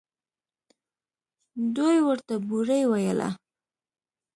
دوى ورته بوړۍ ويله.